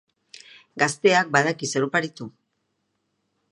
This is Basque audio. Gazteak badaki zer oparitu.